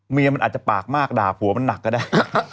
เมียมันอาจจะปากมากด่าผัวมันหนักก็ได้